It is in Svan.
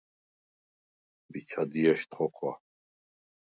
მიჩა დიეშდ ხოქვა: